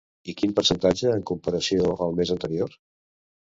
I quin percentatge en comparació amb el mes anterior?